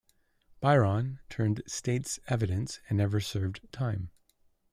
Byron turned state's evidence and never served time.